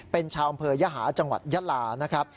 เป็นชาวอำเภอยหาจังหวัดยาลานะครับ